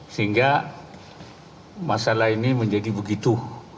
sehingga masalah ini menjadi begitu